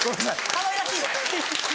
かわいらしい。